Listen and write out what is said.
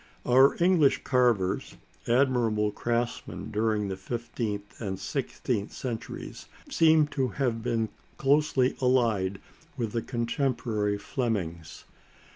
Our English carvers, admirable craftsmen during the fifteenth and sixteenth centuries, seem to have been closely allied with the contemporary Flemings.